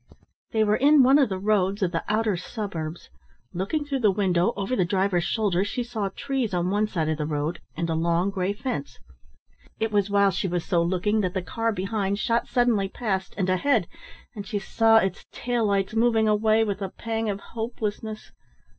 They were in one of the roads of the outer suburbs. Looking through the window over the driver's shoulder she saw trees on one side of the road, and a long grey fence. It was while she was so looking that the car behind shot suddenly past and ahead, and she saw its tail lights moving away with a pang of hopelessness.